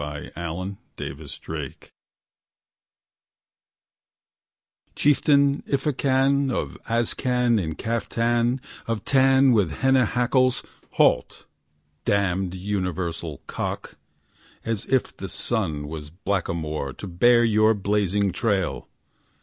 urlappend=%3Bseq=125 Chieftain Iffucan of Azcan in caftan Of tan with henna hackles, halt! Damned universal cock, as if the sun Was blackamoor to bear your blazing tail.